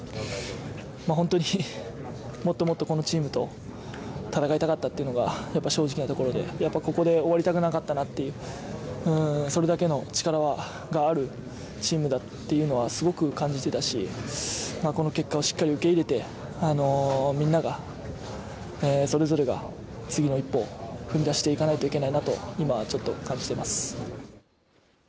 本当にもっともっと、このチームで戦いたかったっていうのが正直なところでやっぱ、ここで終わりたくなかったなっていうそれだけの力があるチームだっていうのはすごく感じてたしこの結果をしっかり受け入れて皆がそれぞれが次の一歩を踏み出していかないといけないなと今ちょっと感じています。